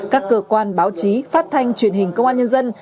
các cơ quan báo chí phát thanh truyền hình công an nhân dân